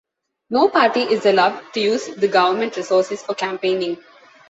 No party is allowed to use the government resources for campaigning.